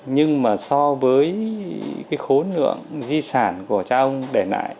nhưng mà so với cái khối lượng di sản của cha ông để lại